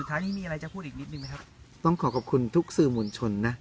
ท้ายนี้มีอะไรจะพูดอีกนิดนึงไหมครับต้องขอขอบคุณทุกสื่อมวลชนนะ